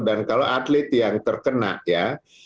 dan kalau atlet yang terkena ya